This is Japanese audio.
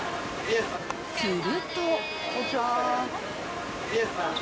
［すると］